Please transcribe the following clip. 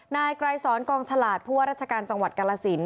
นายไกรสอนกองฉลาดผู้ว่าราชการจังหวัดกาลสิน